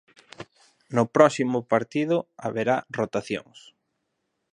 No próximo partido haberá rotacións.